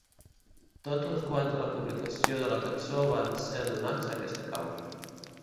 Tots els guanys de la publicació de la cançó van ser donats a aquesta causa.